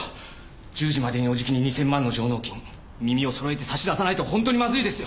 １０時までにおじきに２０００万の上納金耳を揃えて差し出さないとほんとにまずいですよ？